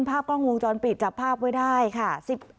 ภาพกล้องวงจรปิดจับภาพไว้ได้ค่ะ